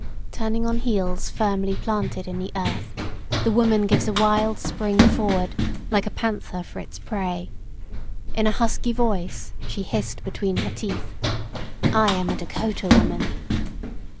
Turning on heels firmly planted in the earth, the woman gives a wild spring forward, like a panther for its prey. In a husky voice she hissed between her teeth, "I am a Dakota woman!"